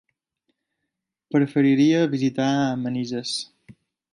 Preferiria visitar Manises.